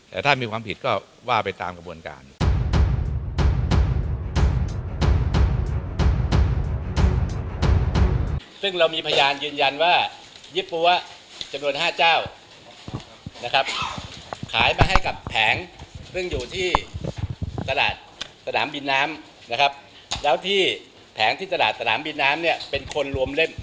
แต่ถ้ามีความผิดก็ว่าไปตามกระบวนการ